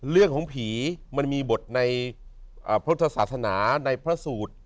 เรื่องของผีมันมีบทในพุทธศาสนาในพระสูตร